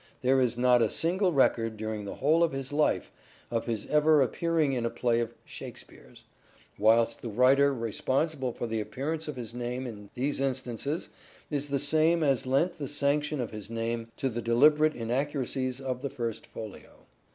There is not" a single record during the whole of his life of his ever appearing in a play of " Shakespeare's "; whilst the writer responsible for the appearance of his name in these instances is the same as lent the sanction of his name to the deliberate inaccuracies of the First Folio.